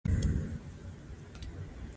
د ټولو پانګوالو ترمنځ یووالی ناممکن وو